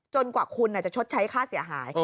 กว่าคุณจะชดใช้ค่าเสียหาย